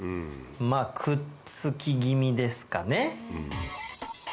くっつき気味ですかね。